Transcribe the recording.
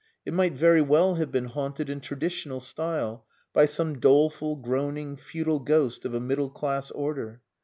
It might very well have been haunted in traditional style by some doleful, groaning, futile ghost of a middle class order.